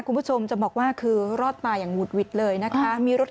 คุณผู้ชมจะบอกว่าคือรอดมาอย่างหุดหวิดเลยนะคะมีรถ